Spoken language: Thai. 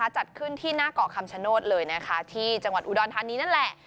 จัดขึ้นที่หน้าเกาะคำชโนธเลยนะคะที่จังหวัดอุดรธานีนั่นแหละ